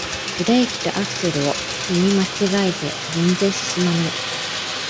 ブレーキとアクセルを踏み間違えて全然すすまない